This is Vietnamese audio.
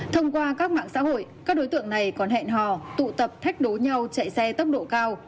thông qua các mạng xã hội các đối tượng này còn hẹn hò tụ tập thách đố nhau chạy xe tốc độ cao